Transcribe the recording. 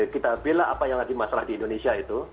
kita bela apa yang lagi masalah di indonesia itu